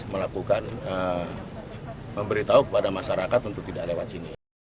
melakukan memberitahu kepada masyarakat untuk tidak lewat sini